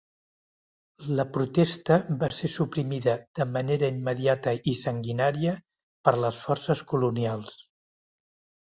La protesta va ser suprimida de manera immediata i sanguinària per les forces colonials.